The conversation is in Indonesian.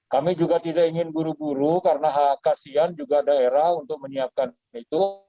kami juga tidak ingin buru buru karena kasian juga daerah untuk menyiapkan itu